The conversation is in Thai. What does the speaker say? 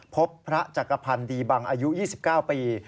พบพระจักรพันธ์ดีบังอายุ๒๙ปี